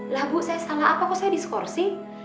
lah bu saya salah apa kok saya discoursing